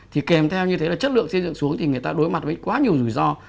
thì kèm theo như thế là chất lượng xây dựng xuống thì người ta đối mặt với quá nhiều rủi ro